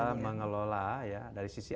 cara kita mengelola dari sisi